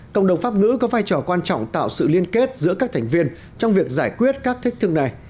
cộng đồng pháp ngữ có vai trò quan trọng tạo sự liên kết giữa các thành viên trong việc giải quyết các thách thức này